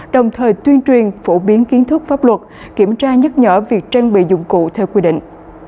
đồng thời tuyên truyền phổ biến kiến thức pháp luật kiểm tra nhắc nhở việc trang bị dụng cụ theo quy định